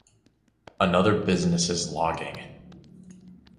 Another business is logging.